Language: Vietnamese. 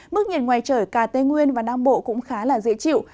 mức nhiệt ngoài trời cả tây nguyên và nam bộ cũng khá là dễ chịu